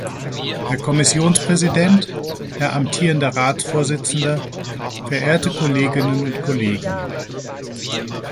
Herr Kommissionspräsident, Herr amtierender Ratsvorsitzender, verehrte Kolleginnen und Kollegen!